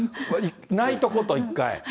ないとこと、一回。